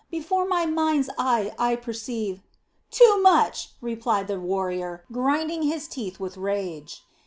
Before my mind's eye I perceive...." "Too much!" replied the warrior, grinding his teeth with rage.